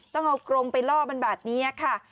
ต้องเอากรงไปล่อมันแบบนี้ค่ะ